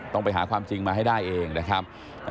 ต้องไปหาความจริงมาให้ได้เองนะครับ